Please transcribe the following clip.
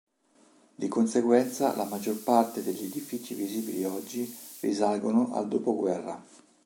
Di conseguenza la maggior parte degli edifici visibili oggi risalgono al dopoguerra.